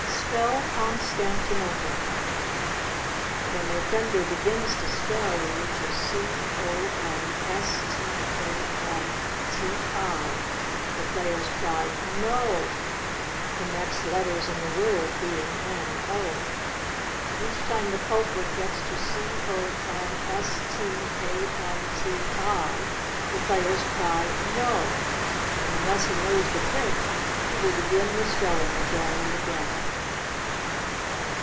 Spell Constantinople. When the offender begins to spell and reaches C o n s t a n t i , the players cry "no" (the next letters in the word being n o). Each time the culprit gets to C o n s t a n t i , the players cry "no," and unless he knows the trick he will begin the spelling again and again.